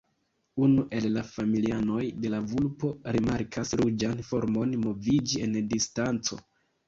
Unu el la familianoj de la vulpo rimarkas ruĝan formon moviĝi en distanco.